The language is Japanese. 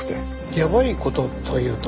やばい事というと？